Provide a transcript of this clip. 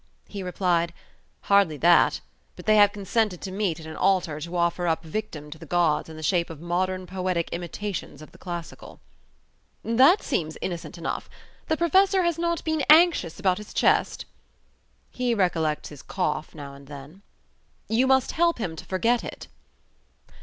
He replied: "Hardly that, but they have consented to meet at an altar to offer up a victim to the gods in the shape of modern poetic imitations of the classical." "That seems innocent enough. The Professor has not been anxious about his chest?" "He recollects his cough now and then." "You must help him to forget it."